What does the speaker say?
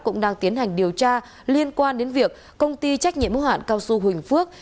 cũng đang tiến hành điều tra liên quan đến việc công ty trách nhiệm hữu hạn cao su huỳnh phước